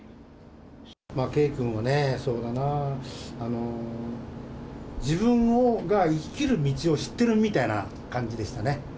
圭君はね、そうだな、自分が生きる道を知ってるみたいな感じでしたね。